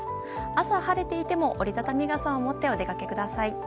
朝、晴れていても折り畳み傘を持ってお出かけください。